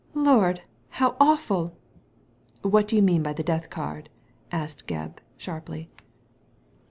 "Lord I how awful!" What do you mean by the death card?" asked Gebb, sharply.